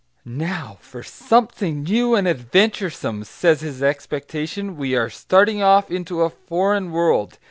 "Now for something new and adventuresome," says his expectation, "we are starting off into a foreign world."